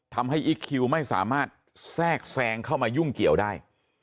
อีคคิวไม่สามารถแทรกแซงเข้ามายุ่งเกี่ยวได้